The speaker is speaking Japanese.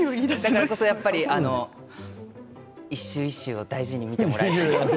だからこそやっぱりあの一週一週を大事に見てもらえれば。